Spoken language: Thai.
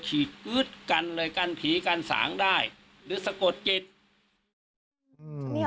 ฉีกอื๊ดกันเลยกันผีกันสางได้หรือสะกดจิต